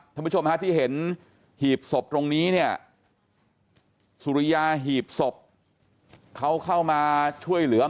ท่านผู้ชมฮะที่เห็นหีบศพตรงนี้เนี่ยสุริยาหีบศพเขาเข้ามาช่วยเหลือ